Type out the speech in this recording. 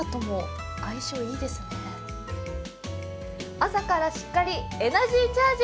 朝からしっかりエナジーチャージ！